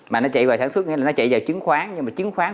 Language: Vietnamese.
mà nó chạy vào sản xuất nghĩa là nó chạy vào chứng khoán